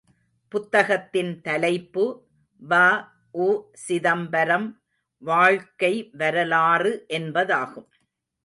புத்தகத்தின் தலைப்பு வ.உ.சிதம்பரம் வாழ்க்கை வரலாறு என்பதாகும்.